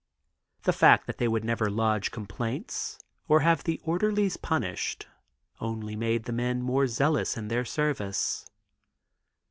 The fact that they would never lodge complaints or have the orderlies punished only made the men more zealous in their service.